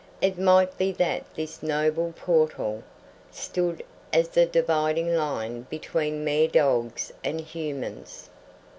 It might be that this noble portal stood as the dividing line between mere dogs and humans.